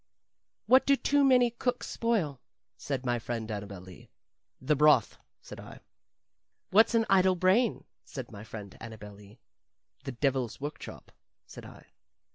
"What do too many cooks spoil?" said my friend Annabel Lee. "The broth," said I. "What's an idle brain?" said my friend Annabel Lee. "The devil's workshop," said I.